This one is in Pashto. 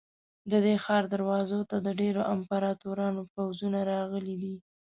د دې ښار دروازو ته د ډېرو امپراتورانو پوځونه راغلي دي.